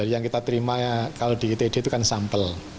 yang kita terima di itd itu sampel